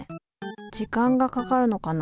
時間がかかるのかな？